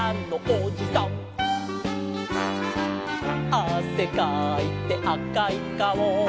「あせかいてあかいかお」